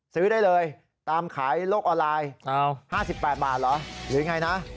ซื้อได้เลยตามขายโลกออนไลน์๕๘บาทเหรอหรือยังไงนะ